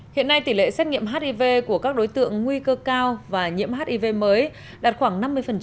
hiện nay tỷ lệ xét nghiệm hiv của các đối tượng nguy cơ cao và nhiễm hiv mới đạt khoảng năm mươi